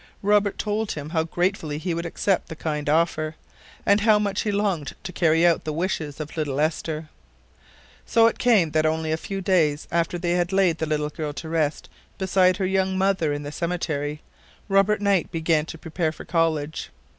Robert told him how gratefully he would accept the kind offer, and how much he longed to carry out the wishes of little Esther. So it came about that only a few days after they had laid the little girl to rest beside her young mother in the cemetery, Robert Knight began to prepare for college.